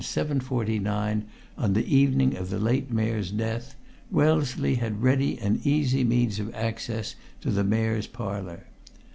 49 on the evening of the late Mayor's death, Wellesley had ready and easy means of access to the Mayor's Parlour.